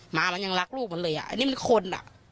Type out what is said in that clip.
หมามันยังรักลูกมันเลยอ่ะอันนี้มันคนอ่ะ